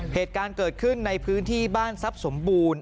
เหตุการณ์เกิดขึ้นในพื้นที่บ้านทรัพย์สมบูรณ์